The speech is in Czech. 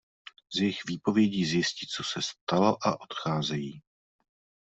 Z jejich výpovědí zjistí co se stalo a odcházejí.